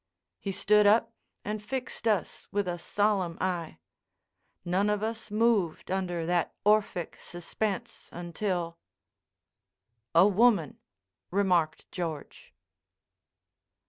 He stood up and fixed us with a solemn eye. None of us moved under that Orphic suspense until, "A woman," remarked George.